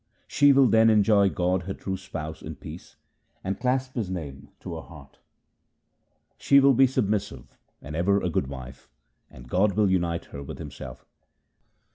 She will then enjoy God her true Spouse in peace, and clasp His name to her heart. She will be submissive and ever a good wife, and God will unite her with Himself.